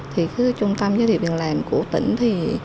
thì cái trung tâm giới thiệu việc làm của tỉnh thì